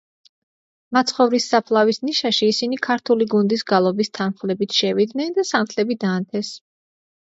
მაცხოვრის საფლავის ნიშაში ისინი ქართული გუნდის გალობის თანხლებით შევიდნენ და სანთლები დაანთეს.